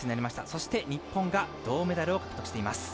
そして日本が銅メダルを獲得しています。